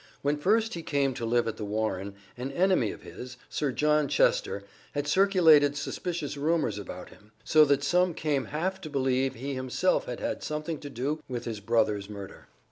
When first he came to live at The Warren an enemy of his, Sir John Chester, had circulated suspicious rumors about him, so that some came half to believe he himself had had something to do with his brother's murder.